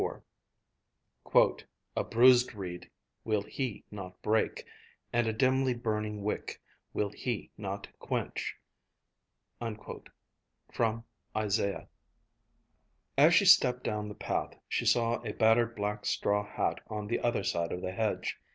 CHAPTER XLIV "A bruised reed will He not break, and a dimly burning wick will He not quench," ISAIAH. As she stepped down the path, she saw a battered black straw hat on the other side of the hedge.